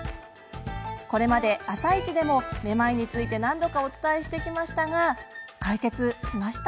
これまで「あさイチ」でもめまいについて何度かお伝えしてきましたが解決しました？